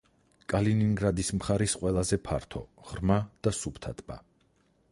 კალინინგრადის მხარის ყველაზე ფართო, ღრმა და სუფთა ტბა.